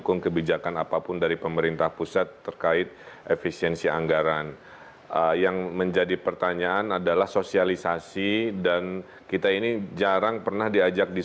bagaimana anda akan mencari strategi keuangan daerah anda